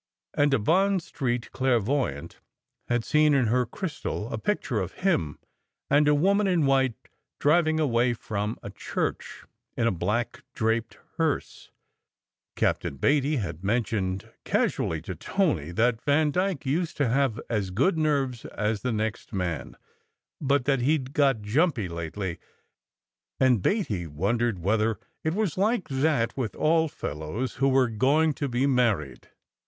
And a Bond Street clairvoyant had seen in her crystal a picture of him and a woman in white driving away from a church in a black draped hearse. Captain Beatty had mentioned casually to Tony that Vandyke used to have as good nerves as the next man, but that he d got "jumpy" lately, and Beatty wondered whether it was like that with all fellows who were going to be married.